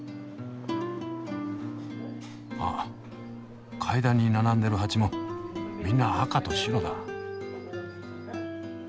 あ階段に並んでる鉢もみんな赤と白だ。